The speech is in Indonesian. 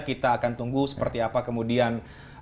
kita akan tunggu seperti apa kemudian